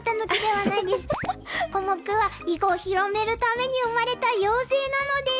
コモクは囲碁を広めるために生まれた妖精なのです。